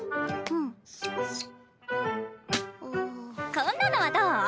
こんなのはどう？